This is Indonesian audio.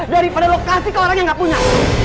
daripada lo kasih ke orang yang gak punya